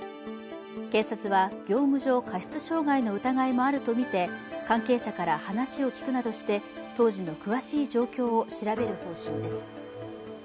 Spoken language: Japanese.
警察は業務上過失傷害の疑いもあるとみて関係者から話を聞くなどして当時の詳しい状況を調べる方針です。